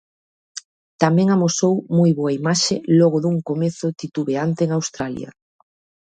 Tamén amosou moi boa imaxe logo dun comezo titubeante en Australia.